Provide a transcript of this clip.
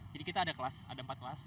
jadi kita ada kelas ada empat kelas